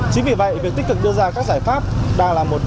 chính vì vậy việc tích cực đưa ra các giải pháp đang là một